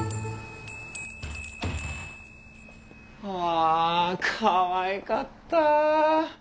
はあっかわいかった！